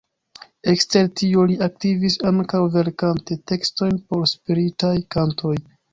Ekster tio li aktivis ankaŭ verkante tekstojn por spiritaj kantoj.